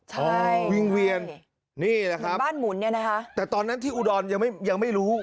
ใช่นี่แหละครับแต่ตอนนั้นที่อูดรยังไม่รู้